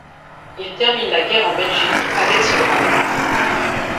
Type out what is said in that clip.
Il termine la guerre en Belgique, avec ce grade.